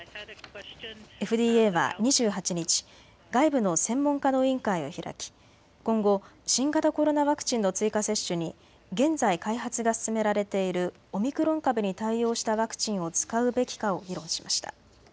ＦＤＡは２８日、外部の専門家の委員会を開き今後、新型コロナワクチンの追加接種に現在、開発が進められているオミクロン株に対応したワクチンを使うべきかを議論しました。